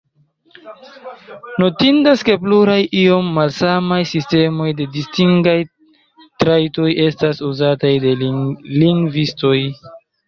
Notindas, ke pluraj iom malsamaj sistemoj de distingaj trajtoj estas uzataj de lingvistoj.